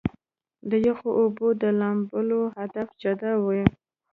د يخو اوبو د لامبلو هدف جدا وي -